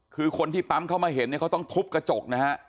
คือคนที่ปั๊มเข้ามาเห็นเนี่ยเขาต้องทุบกระจกนะฮะ